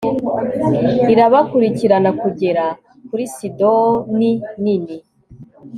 irabakurikirana kugera kuri sidoni nini